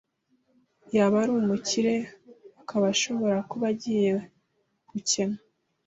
yaba ari umukire akaba ashobora kuba agiye gukena